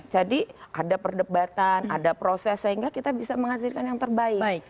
jadi ada perdebatan ada proses sehingga kita bisa menghasilkan yang terbaik